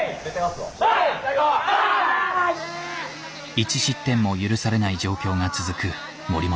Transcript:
１失点も許されない状況が続く森本。